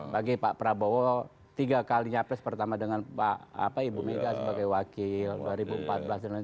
bagi pak prabowo tiga kali nyapres pertama dengan ibu mega sebagai wakil dua ribu empat belas dan lain lain